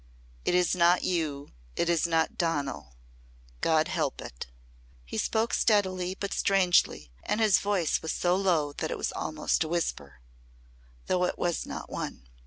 It is not you it is not Donal. God help it." He spoke steadily but strangely and his voice was so low that it was almost a whisper though it was not one.